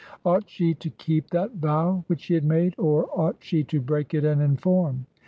Ought she to keep that vow which she had made, or ought she to break it and inform ?